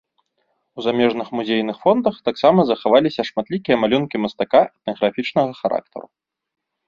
У замежных музейных фондах таксама захаваліся шматлікія малюнкі мастака этнаграфічнага характару.